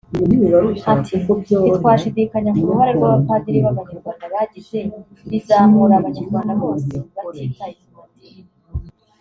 Ati “Ntitwashidikanya ku ruhare rw’abapadiri b’Abanyarwanda bagize bizamura abanyarwanda bose batitaye ku madini